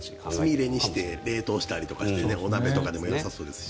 つみれにして冷凍にしてお鍋とかでもよさそうですし。